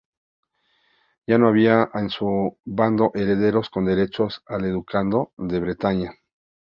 Ya no había en su bando herederos con derecho al ducado de Bretaña.